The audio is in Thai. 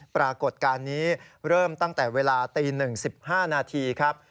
ปรากฏการณ์นี้เริ่มตั้งแต่เวลาตี๑๑๕นาทีครับ